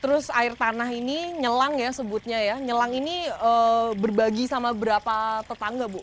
terus air tanah ini nyelang ya sebutnya ya nyelang ini berbagi sama berapa tetangga bu